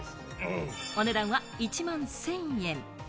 お値段は１万１０００円。